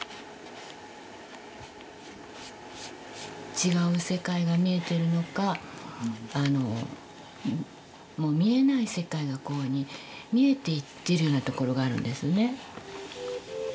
違う世界が見えてるのかもう見えない世界がこういうふうに見えていってるようなところがあるんですね。